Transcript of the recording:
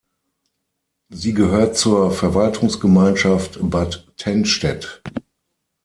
Sie gehört zur Verwaltungsgemeinschaft Bad Tennstedt.